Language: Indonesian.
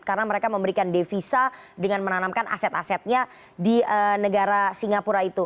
karena mereka memberikan devisa dengan menanamkan aset asetnya di negara singapura itu